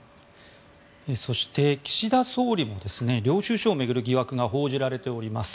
そして、岸田総理も領収書を巡る疑惑が報じられております。